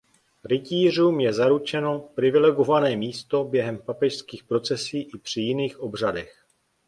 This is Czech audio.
Rytířům je zaručeno privilegované místo během papežských procesí i při jiných obřadech.